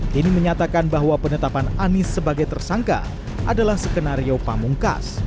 kini menyatakan bahwa penetapan anies sebagai tersangka adalah skenario pamungkas